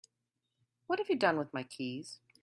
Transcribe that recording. What have you done with my keys?